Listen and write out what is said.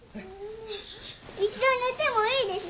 一緒に寝てもいいでしょ？